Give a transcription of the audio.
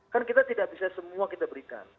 kan kita tidak bisa semua kita berikan